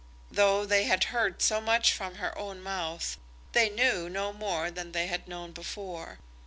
Though they had heard so much from her own mouth, they knew no more than they had known before.